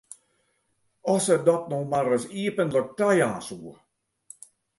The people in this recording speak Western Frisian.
As se dat no mar ris iepentlik tajaan soe!